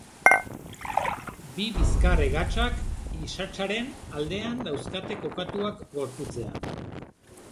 Bi bizkar-hegatsak isatsaren aldean dauzkate kokatuak gorputzean.